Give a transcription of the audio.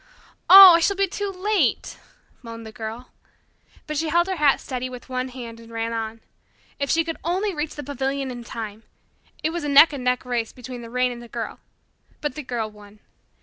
"Oh, I shall be too late," moaned the Girl. But she held her hat steady with one hand and ran on. If she could only reach the pavilion in time! It was a neck and neck race between the rain and the Girl, but the Girl won.